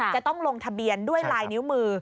จะต้องลงทะเบียนด้วยลายนิ้วมือ